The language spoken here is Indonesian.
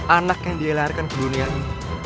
anak yang dialarkan ke dunia ini